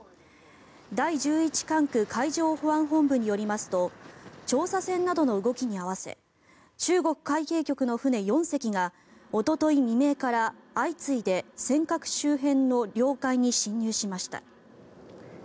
第十一管区海上保安本部によりますと調査船などの動きに合わせ中国海警局の船４隻がおととい未明から相次いで尖閣周辺の領海に侵入しました。